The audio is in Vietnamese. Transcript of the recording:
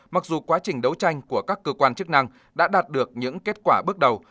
mặc dù quá trình đấu tranh của các cơ quan chức năng đã đạt được những kết quả bước đầu